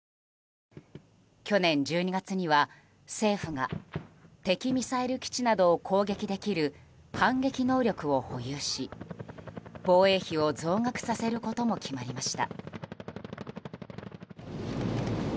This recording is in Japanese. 去年１２月には政府が敵ミサイル基地などを攻撃できる反撃能力を保有し防衛費を増額させることも決まりました。